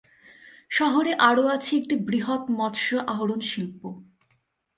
শহরে আরও আছে একটি বৃহৎ মৎস্য আহরণ শিল্প।